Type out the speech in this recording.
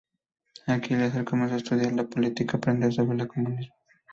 Aquí, Lazar comenzó a estudiar la política y aprender sobre el comunismo.